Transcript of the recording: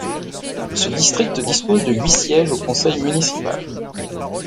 Ce district dispose de huit sièges au conseil municipal.